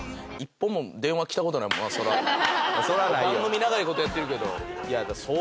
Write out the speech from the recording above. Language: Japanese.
番組長いことやってるけど。